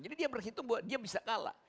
jadi dia berhitung bahwa dia bisa kalah